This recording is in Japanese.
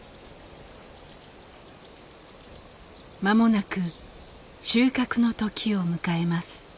間もなく収穫の時を迎えます。